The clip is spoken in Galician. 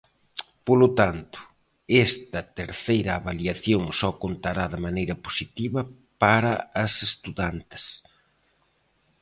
Polo tanto, esta terceira avaliación só contará de maneira positiva para as estudantes.